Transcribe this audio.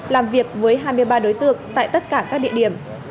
làm việc với hai mươi ba đối tượng tại tất cả các địa điểm